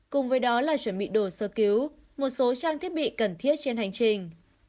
cùng với đó là chuẩn bị đồ sơ cứu một số trang thiết bị cần thiết trên hành trình